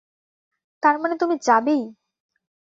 তারমানে তুমি যাবেই?